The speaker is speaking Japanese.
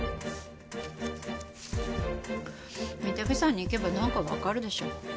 御岳山に行けばなんかわかるでしょう。